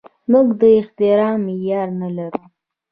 موږ د احترام معیار نه لرو.